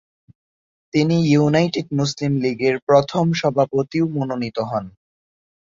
তিনি united Muslim লীগের প্রথম সভাপতিও মনোনীত হন।